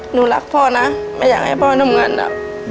หนูรักพ่อนะไม่อยากให้พ่อทำงานอะ